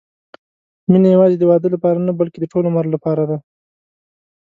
مینه یوازې د واده لپاره نه، بلکې د ټول عمر لپاره ده.